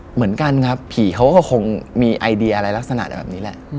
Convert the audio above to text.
เหมือนกันครับผีเขาก็คงมีไอเดียอะไรลักษณะแบบนี้แหละ